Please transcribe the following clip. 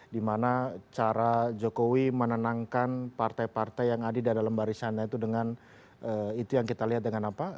dimana cara jokowi menenangkan partai partai yang ada di dalam barisannya itu dengan itu yang kita lihat dengan apa